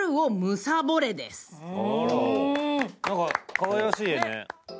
かわいらしい絵ね。